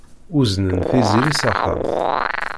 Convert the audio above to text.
Uznen Tiziri s axxam.